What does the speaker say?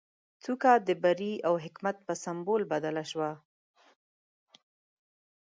څوکه د بري او حکمت په سمبول بدله شوه.